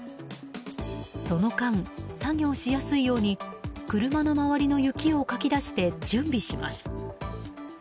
その間、作業しやすいように車の周りの雪をかき出して準備します。